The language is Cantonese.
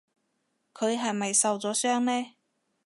佢係咪受咗傷呢？